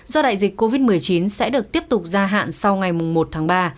do đại dịch covid một mươi chín sẽ được tiếp tục gia hạn sau ngày một tháng ba